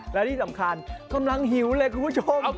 และที่สำคัญกำลังหิวเลยคุณผู้ชม